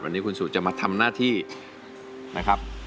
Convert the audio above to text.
วันนี้คุณสู่จะมาทำหน้าที่นะครับ